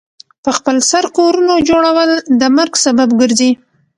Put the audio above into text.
پخپل سر کورونو جوړول د مرګ سبب ګرځي.